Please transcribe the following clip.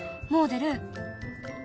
もおでる。